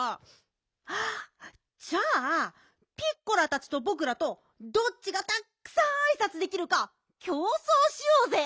あっじゃあピッコラたちとぼくらとどっちがたっくさんあいさつできるかきょうそうしようぜ。